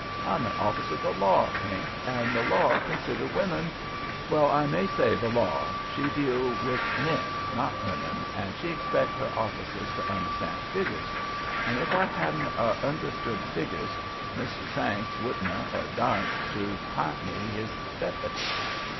I'm a' officer o' the law, Pink, an' the law consider women—well, I may say the law, she deal 'ith men, not women, an' she expect her officers to understan' figgers, an' if I hadn't o' understood figgers Mr. Sanks wouldn't or darsnt' to 'p'int me his dep'ty.